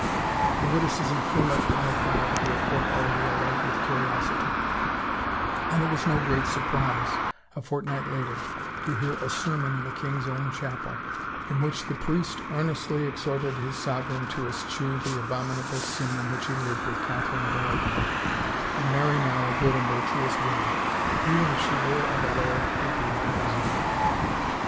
The witticism flew like wildfire through a court already alight with curiosity, and it was no great surprise, a fortnight later, to hear a sermon in the king's own chapel, in which the priest earnestly ex horted his sovereign to eschew the abominable sin in which he lived with Catherine of Aragon and marry now a good and virtuous woman, even if she were of a lower degree than his own